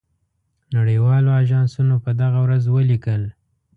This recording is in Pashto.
نړۍ والو آژانسونو په دغه ورځ ولیکل.